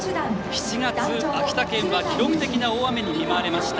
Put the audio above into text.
７月、秋田県は記録的な大雨に見舞われました。